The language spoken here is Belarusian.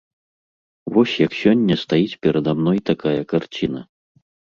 Вось як сёння стаіць перад мной такая карціна.